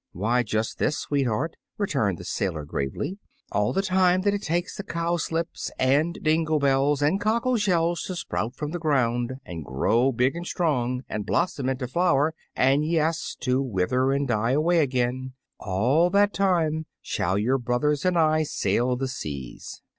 "Why, just this, sweetheart," returned the sailor gravely; "all the time that it takes the cowslips and dingle bells and cockle shells to sprout from the ground, and grow big and strong, and blossom into flower, and, yes to wither and die away again all that time shall your brothers and I sail the seas.